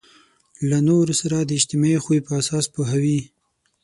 له نورو سره د اجتماعي خوی په اساس پوهوي.